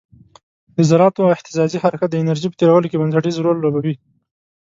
د ذراتو اهتزازي حرکت د انرژي په تیرولو کې بنسټیز رول لوبوي.